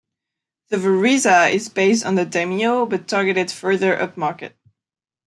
The Verisa is based on the Demio but targeted further upmarket.